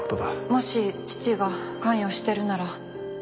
もし父が関与してるなら。